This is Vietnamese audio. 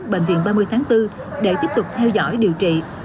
bệnh viện ba mươi tháng bốn để tiếp tục theo dõi điều trị